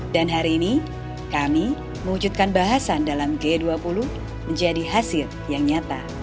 dan hari ini kami mewujudkan bahasan dalam g dua puluh menjadi hasil yang nyata